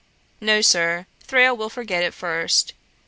'No, Sir, Thrale will forget it first.